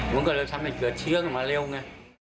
มันก็เลยทำให้เกิดเชื้อขึ้นมาเร็วไง